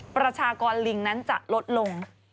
ประชากรลิงนั้นจะลดลง